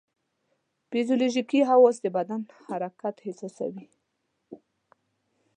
فزیولوژیکي حواس د بدن حرکت احساسوي.